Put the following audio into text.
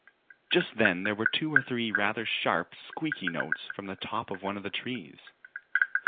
Just then there were two or three rather sharp, squeaky notes from the top of one of the trees.